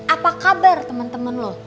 apa kabar temen temen lo